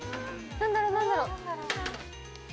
何だろう？・・何だろう？